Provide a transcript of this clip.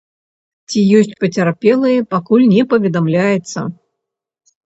Ці ёсць пацярпелыя, пакуль не паведамляецца.